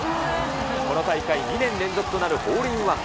この大会２年連続となるホールインワン。